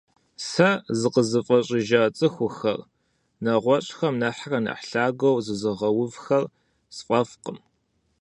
Сэ зыкъызыфӏэщӏыжа цӏыхухэр, нэгъуэщӏхэм нэхърэ нэхъ лъагэу зызыгъэувхэр сфӏэфӏкъым.